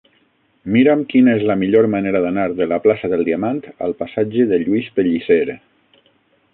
Mira'm quina és la millor manera d'anar de la plaça del Diamant al passatge de Lluís Pellicer.